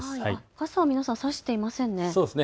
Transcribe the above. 傘は皆さん、差していませんね。